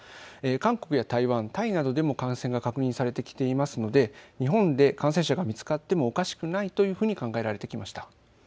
韓国や台湾、タイなどでも感染が確認されてきていますので日本で感染者が見つかってもおかしくないというふうに考えられてきました。